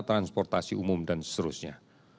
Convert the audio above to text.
transportasi umum dan seterusnya